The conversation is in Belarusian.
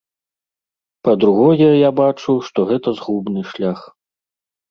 Па-другое, я бачу, што гэта згубны шлях.